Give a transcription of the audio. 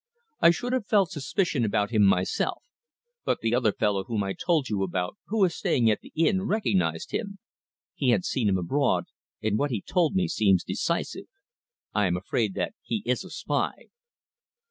I should have felt suspicious about him myself, but the other fellow whom I told you about, who is staying at the inn, recognized him. He had seen him abroad, and what he told me seems decisive. I am afraid that he is a spy."